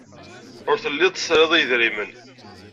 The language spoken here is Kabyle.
Ur telliḍ tesriḍ i yedrimen.